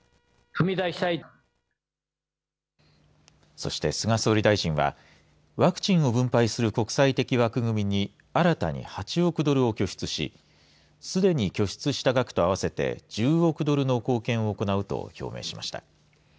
そして菅総理大臣はワクチンを分配する国際的枠組みに新たに８億ドルを拠出しすでに拠出した額と合わせて１０億ドルの貢献を行うと表明しました。